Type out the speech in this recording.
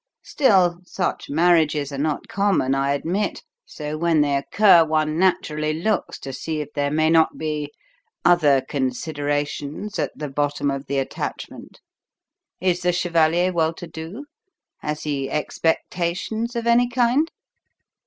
Still, such marriages are not common, I admit, so when they occur one naturally looks to see if there may not be 'other considerations' at the bottom of the attachment. Is the chevalier well to do? Has he expectations of any kind?"